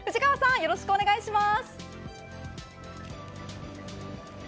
よろしくお願いします。